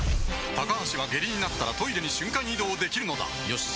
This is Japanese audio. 高橋は下痢になったらトイレに瞬間移動できるのだよし。